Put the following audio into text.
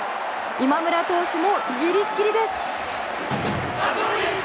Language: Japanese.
今村投手もギリギリです。